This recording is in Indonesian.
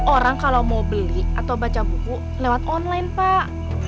orang kalau mau beli atau baca buku lewat online pak